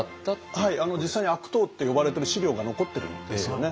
はい実際に「悪党」って呼ばれてる資料が残ってるんですよね。